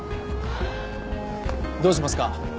どうしますか？